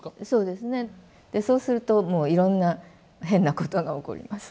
でそうするともういろんな変なことが起こります。